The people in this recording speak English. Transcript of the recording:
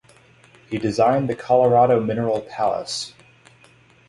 He designed the Colorado Mineral Palace.